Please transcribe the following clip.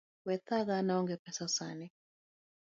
We thaga an aonge pesa sani